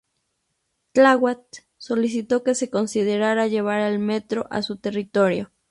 Tláhuac solicitó que se considerara llevar el metro a su territorio.